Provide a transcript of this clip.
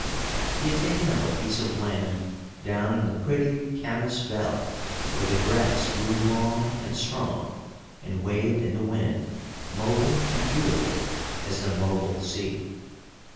He had taken up a piece of land down in the pretty Camas Valley where the grass grew long and strong and waved in the wind, mobile and beautiful as the mobile sea.